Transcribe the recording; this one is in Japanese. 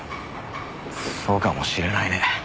そうかもしれないね。